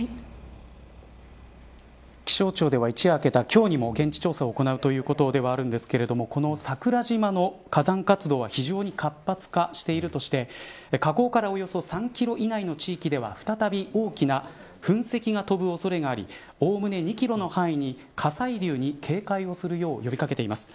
気象庁では一夜明けた今日にも現地調査を行うということではあるんですがこの桜島の火山活動は非常に活発化しているとして火口からおよそ３キロ以内の地域では再び大きな噴石が飛ぶ恐れがありおおむね２キロの範囲に火砕流に警戒をするよう呼び掛けています。